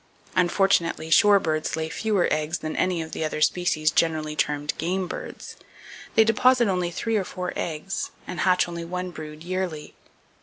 Unfortunately, shorebirds lay fewer eggs than any of the other species generally termed game birds. They deposit only three or four eggs, and hatch only one brood yearly.